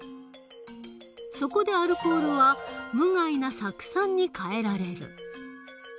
そこでアルコールは無害な酢酸に変えられる。